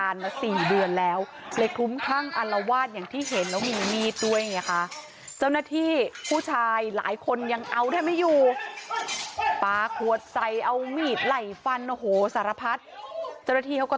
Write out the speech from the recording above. อันนี้จะมีอาการป่วยทางจิตทางประสาทไปรักษาแต่ไม่ยอมกินยาสุดท้ายค่ะ